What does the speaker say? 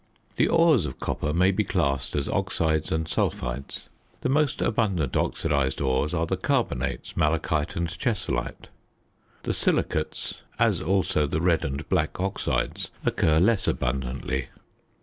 The ores of copper may be classed as oxides and sulphides. The most abundant oxidised ores are the carbonates, malachite and chessylite; the silicates, as also the red and black oxides, occur less abundantly.